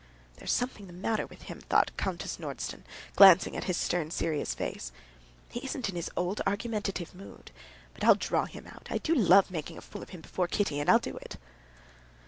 "There's something the matter with him," thought Countess Nordston, glancing at his stern, serious face. "He isn't in his old argumentative mood. But I'll draw him out. I do love making a fool of him before Kitty, and I'll do it."